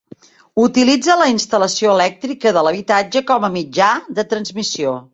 Utilitza la instal·lació elèctrica de l'habitatge com a mitjà de transmissió.